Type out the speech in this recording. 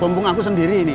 bumpung aku sendiri nih